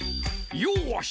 よし！